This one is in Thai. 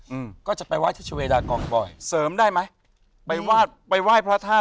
อืมก็จะไปไห้ที่ชเวดากองบ่อยเสริมได้ไหมไปไหว้ไปไหว้พระธาตุ